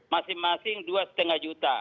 masing masing dua lima juta